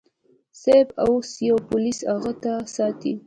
صيب اوس به پوليس اغه ساتي.